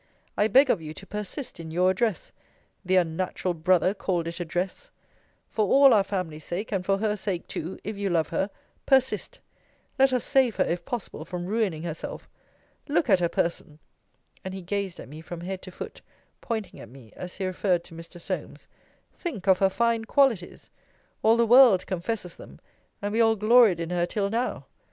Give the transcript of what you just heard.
I beg of you to persist in your address the unnatural brother called it address! For all our family's sake, and for her sake too, if you love her, persist! Let us save her, if possible, from ruining herself. Look at her person! [and he gazed at me, from head to foot, pointing at me, as he referred to Mr. Solmes,] think of her fine qualities! all the world confesses them, and we all gloried in her till now.